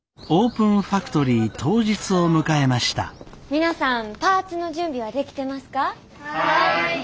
皆さんパーツの準備はできてますか？